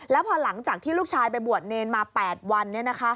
แล้วพอหลังจากที่ลูกชายไปบวชเนรมา๘วัน